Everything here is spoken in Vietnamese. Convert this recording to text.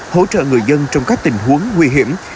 hỗ trợ người dân trong các tình huống nguy hiểm